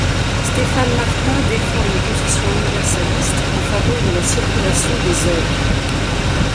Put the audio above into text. Stéphane Martin défend une position universaliste en faveur de la circulation des œuvres.